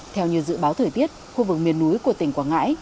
theo như dự báo thời tiết khu vực miền núi của tỉnh quảng ngãi